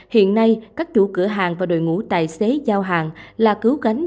hiện nay các chủ cửa hàng và đội ngũ tài xế giao hàng là cứu cánh